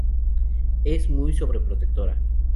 Es muy sobreprotectora.